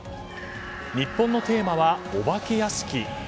日本のテーマは、お化け屋敷。